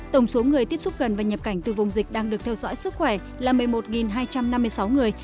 tổng số người tiếp xúc gần và nhập cảnh từ vùng dịch đang được theo dõi sức khỏe là một mươi một hai trăm năm mươi sáu người